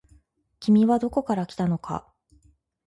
君はどこから来たのか。